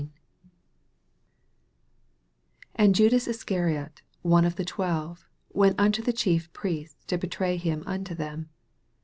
10 And Jndas Iscariot. one of the twelve, went unto the Chief Priests, to betray him unto them.